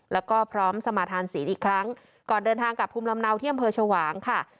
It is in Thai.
แล้วก็พร้อมสมาธานศีลอีกครั้งก่อนเดินทางกลับภูมิลำเนาที่อำเภอชวางค่ะ